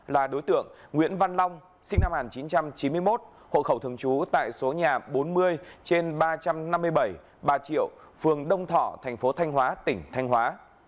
là đối tượng nguyễn văn long sinh năm một nghìn chín trăm chín mươi một hộ khẩu thường trú tại số nhà bốn mươi trên ba trăm năm mươi bảy ba triệu phường đông thỏ thành phố thanh hóa tỉnh thanh hóa